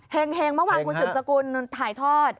เห็งเมื่อวานคุณสืบสกุลถ่ายทอด